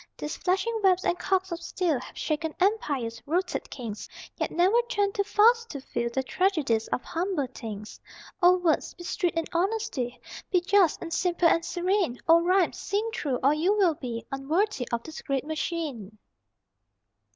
These flashing webs and cogs of steel Have shaken empires, routed kings, Yet never turn too fast to feel The tragedies of humble things. O words, be strict in honesty, Be just and simple and serene; O rhymes, sing true, or you will be Unworthy of this great machine!